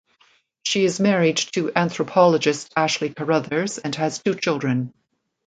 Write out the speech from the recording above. She is married to anthropologist Ashley Carruthers and has two children.